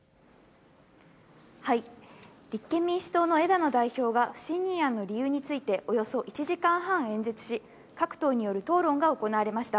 立憲民主党の枝野代表が不信任案の理由について、およそ１時間半演説し、各党による討論が行われました。